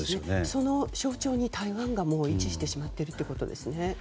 その象徴に台湾が位置してしまってるということですね。